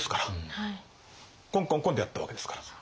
コンコンコンでやったわけですから。